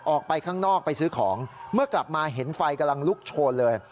ออกไปข้างนอกไปซื้อของเมื่อกลับมาเห็นไฟกำลังลุกโชนเลย